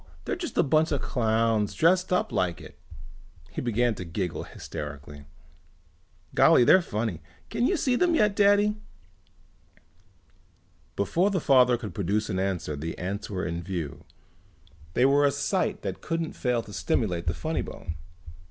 They're just a bunch of clowns dressed up like it." He began to giggle hysterically. "Golly, they're funny. Can you see them yet, Daddy?" Before the father could produce an answer the ants were in view. They were a sight that couldn't fail to stimulate the funny bone.